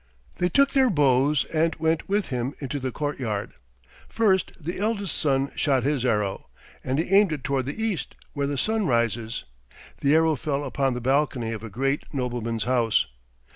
They took their bows and went with him into the courtyard. First the eldest son shot his arrow, and he aimed it toward the east, where the sun rises. The arrow fell upon the balcony of a great nobleman's house.